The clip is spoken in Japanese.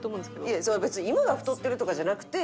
いやそれは別に今が太ってるとかじゃなくて。